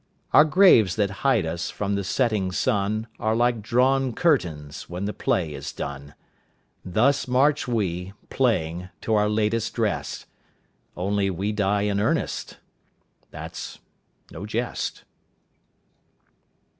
Our graves that hide us from the setting sun Are like drawn curtains when the play is done. Thus march we, playing, to our latest rest, Only we die in earnest, that's no jest.